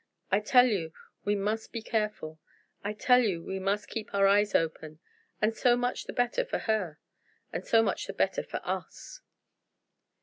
I tell you we must be careful; I tell you we must keep our eyes open. And so much the better for Her. And so much the better for Us."